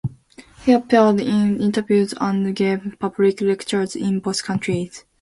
He appeared in interviews and gave public lectures in both countries.